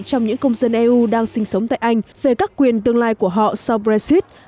trong những công dân eu đang sinh sống tại anh về các quyền tương lai của họ sau brexit